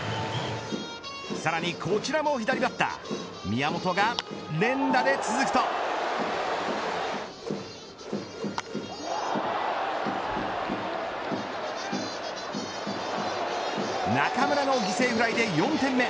さらにこちらも左バッター宮本が連打で続くと中村の犠牲フライで４点目。